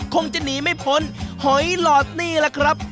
คงจะหนีไม่พ้นหอยหลอดนี่แหละครับ